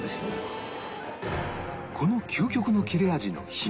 この究極の切れ味の秘密